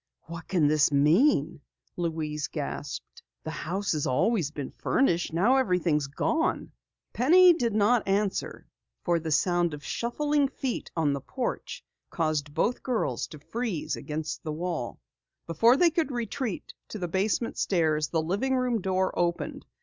"What can this mean?" Louise gasped. "The house always has been furnished. Now everything is gone." Penny did not answer. The sound of shuffling feet on the front porch caused both girls to freeze against the wall. Before they could retreat to the basement stairs, the living room door opened.